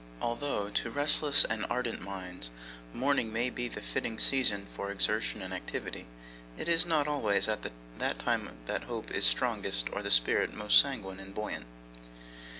Although, to restless and ardent minds, morning may be the fitting season for exertion and activity, it is not always at that time that hope is strongest or the spirit most sanguine and buoyant.